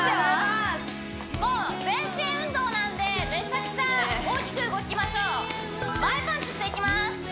もう全身運動なんでめちゃくちゃ大きく動きましょう前パンチしていきます